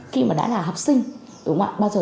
khi mà đã là học sinh đúng không ạ